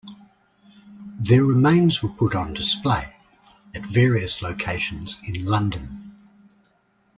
Their remains were put on display at various locations in London.